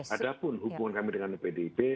ada pun hubungan kami dengan pdip